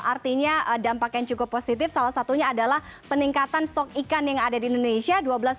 artinya dampak yang cukup positif salah satunya adalah peningkatan stok ikan yang ada di indonesia